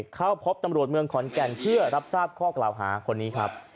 เข้าพบตำรวจเมืองขอนแก่นเพื่อรับทราบข้อกล่าวหาคนนี้ครับ